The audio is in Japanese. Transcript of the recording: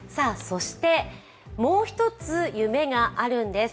もう一つ、夢があるんです。